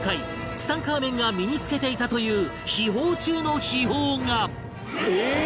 ツタンカーメンが身につけていたという秘宝中の秘宝が